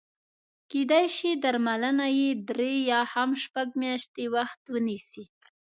کېدای شي درملنه یې درې یا هم شپږ میاشتې وخت ونیسي.